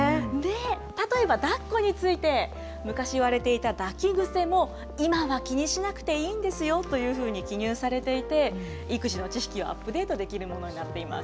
例えばだっこについて、昔はいわれていた抱き癖も、今は気にしなくていいんですよというふうに記入されていて、育児の知識をアップデートできるものになっています。